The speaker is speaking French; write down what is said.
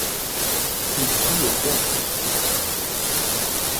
Ils jouent au golf.